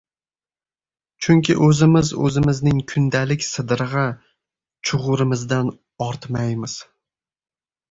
Chunki o‘zimiz o‘zimizning kundalik sidirg‘a «chug‘urimizdan» ortmaymiz.